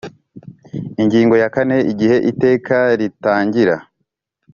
Ingingo ya kane Igihe Iteka ritangira